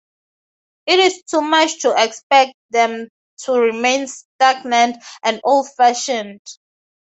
It is too much to expect them to remain stagnant and old-fashioned.